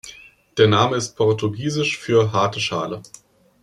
Der Name ist portugiesisch für „harte Schale“.